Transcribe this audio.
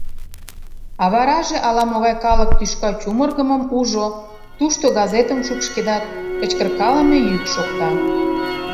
А вараже ала-могай калык тӱшка чумыргымым ужо, тушто газетым шупшкедат, кычкыркалыме йӱк шокта.